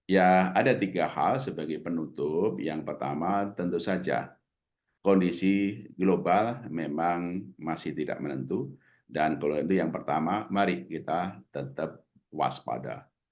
ya ada tiga hal sebagai penutup yang pertama tentu saja kondisi global memang masih tidak menentu dan kalau itu yang pertama mari kita tetap waspada